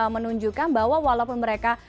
menunjukkan bahwa walaupun mereka